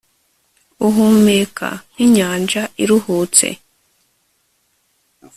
Uhumeka nkinyanja iruhutse